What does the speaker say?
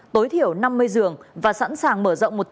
tối thiểu năm mươi giường và sẵn sàng mở rộng